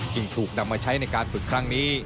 จึงถูกนำมาใช้ในการฝึกครั้งนี้